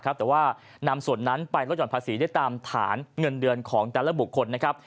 แต่ว่านำส่วนนั้นไปลดหย่อนภาษีได้ตามฐานเงินเดือนของแต่ละบุคคลนะครับ